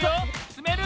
つめる？